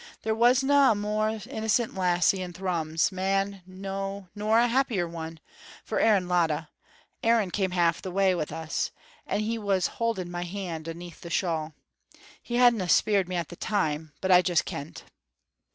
There wasna a more innocent lassie in Thrums, man, no, nor a happier one; for Aaron Latta Aaron came half the way wi' us, and he was hauding my hand aneath the shawl. He hadna speired me at that time, but I just kent.